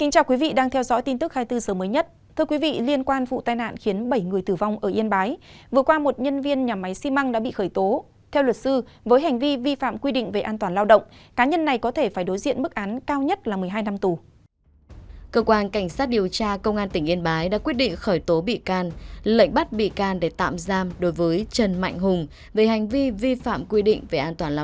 các bạn hãy đăng ký kênh để ủng hộ kênh của chúng mình nhé